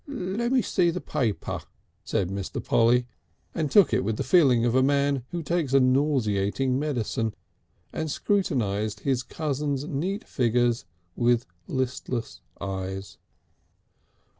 "Lemme see that paper," said Mr. Polly, and took it with the feeling of a man who takes a nauseating medicine, and scrutinised his cousin's neat figures with listless eyes.